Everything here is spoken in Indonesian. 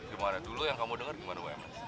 gimana dulu yang kamu dengar gimana ums